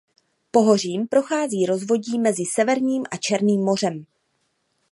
Pohořím prochází rozvodí mezi Severním a Černým mořem.